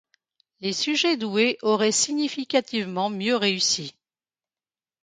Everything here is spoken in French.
Les sujets doués auraient significativement mieux réussi.